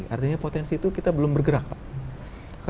artinya potensi itu kita belum bergerak pak